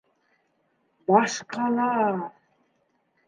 Башҡала!